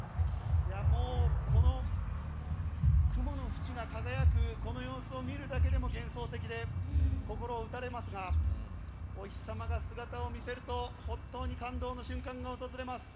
この雲の縁が輝くこの様子を見るだけでも幻想的で心を打たれますがお日様が姿を見せると本当に感動の瞬間が訪れます。